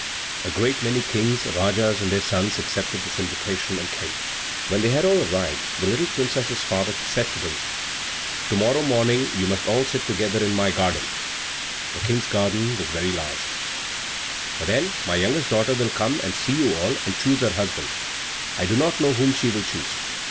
A great many Kings, Rajas, and their sons accepted this invitation and came. When they had all arrived, the little princess's father said to them, "To morrow morning you must all sit together in my garden" (the King's garden was very large), "for then my youngest daughter will come and see you all, and choose her husband. I do not know whom she will choose."